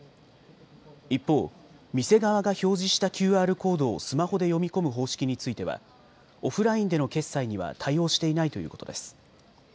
一方、店側が表示したＱＲコードをスマホで読み込む方式についてはオフラインでの決済には対応していないということです。